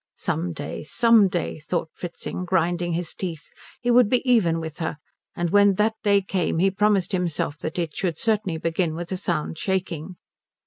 Some day, some day, thought Fritzing grinding his teeth, he would be even with her; and when that day came he promised himself that it should certainly begin with a sound shaking.